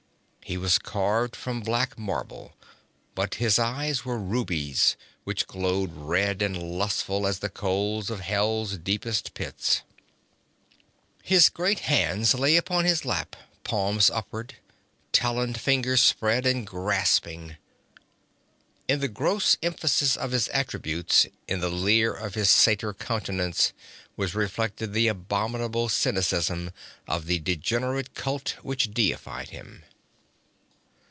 He was carved from black marble, but his eyes were rubies, which glowed red and lustful as the coals of hell's deepest pits. His great hands lay upon his lap, palms upward, taloned fingers spread and grasping. In the gross emphasis of his attributes, in the leer of his satyr countenance, was reflected the abominable cynicism of the degenerate cult which deified him.